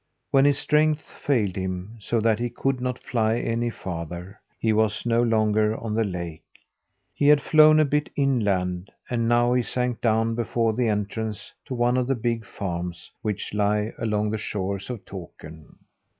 When his strength failed him, so that he could not fly any farther, he was no longer on the lake. He had flown a bit inland, and now he sank down before the entrance to one of the big farms which lie along the shores of Takern.